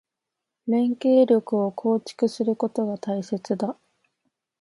連携力を構築することが大切だ。